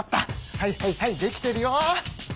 はいはいはいできてるよ。